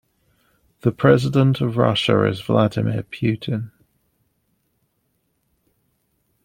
The president of Russia is Vladimir Putin.